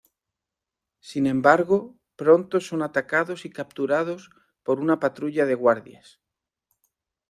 Sin embargo, pronto son atacados y capturados por una patrulla de guardias.